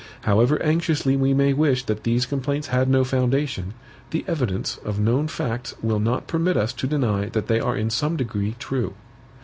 However anxiously we may wish that these complaints had no foundation, the evidence, of known facts will not permit us to deny that they are in some degree true.